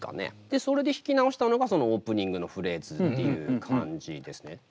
でそれで弾き直したのがそのオープニングのフレーズっていう感じですね。